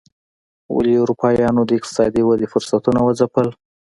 ولې اروپایانو د اقتصادي ودې فرصتونه وځپل.